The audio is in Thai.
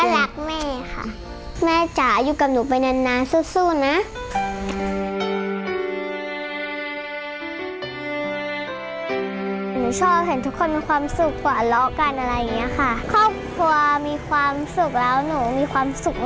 แล้วหนูมีความสุขมากเลยค่ะ